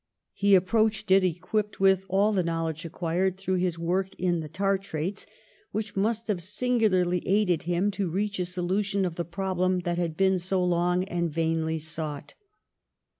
He approached it equipped with all the knowledge acquired through his work in the tartrates, which must have singu larly aided him to reach a solution of the prob lem that had been so long and vainly sought.